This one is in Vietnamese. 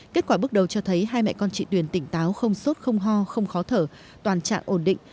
kết quả bước đầu cho thấy hai mẹ con chị tuyền tỉnh táo không sốt không ho không khó thở toàn trạng ổn định